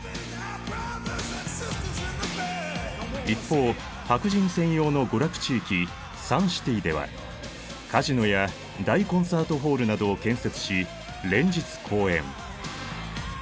一方白人専用の娯楽地域サンシティではカジノや大コンサートホールなどを建設し連日公演。